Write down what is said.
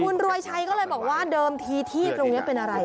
คุณรวยชัยก็เลยบอกว่าเดิมทีที่ตรงนี้เป็นอะไร